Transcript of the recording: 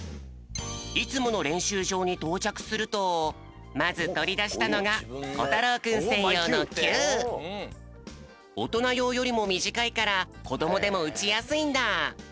いつものれんしゅうじょうにとうちゃくするとまずとりだしたのがおとなようよりもみじかいからこどもでもうちやすいんだ。